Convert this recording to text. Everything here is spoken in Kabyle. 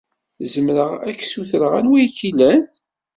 Zmreɣ ad k-ssutreɣ anwa i k-ilan?